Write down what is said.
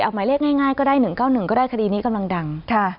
หมายเลขง่ายก็ได้๑๙๑ก็ได้คดีนี้กำลังดัง